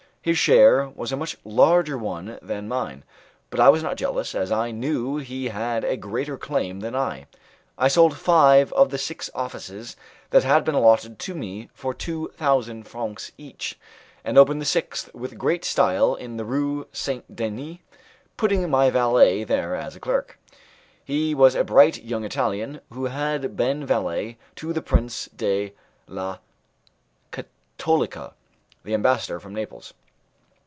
His share was a much larger one than mine, but I was not jealous as I knew he had a greater claim than I. I sold five of the six offices that had been allotted to me for two thousand francs each, and opened the sixth with great style in the Rue St. Denis, putting my valet there as a clerk. He was a bright young Italian, who had been valet to the Prince de la Catolica, the ambassador from Naples.